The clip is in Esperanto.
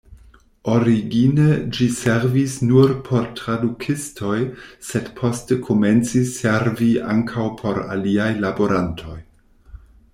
Origine ĝi servis nur por tradukistoj, sed poste komencis servi ankaŭ por aliaj laborantoj.